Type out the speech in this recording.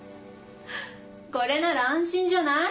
これなら安心じゃない？